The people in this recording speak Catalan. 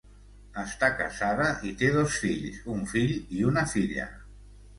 Està casada i té dos fills, un fill i una filla.